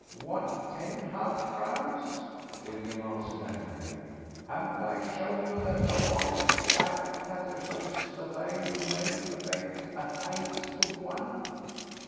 "What, ten half crowns?" William answered angrily. "Haven't I shown you that the 'orse was backed at Tattersall's the day you made the bet at eight to one?"